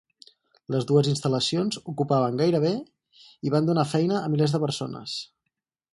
Les dues instal·lacions ocupaven gairebé... i van donar feina a milers de persones.